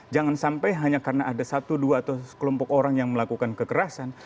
jangan sampai hanya karena ada satu dua atau sekelompok orang yang melakukan kekerasan